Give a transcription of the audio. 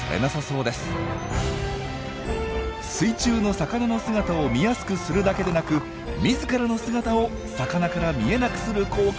水中の魚の姿を見やすくするだけでなく自らの姿を魚から見えなくする効果まであったとは！